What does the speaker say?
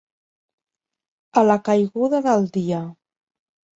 A la caiguda del dia.